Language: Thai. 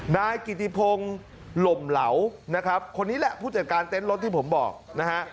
นายกิติพงศ์หล่มเหลานะครับคนนี้แหละผู้จัดการเต็นต์รถที่ผมบอกนะฮะ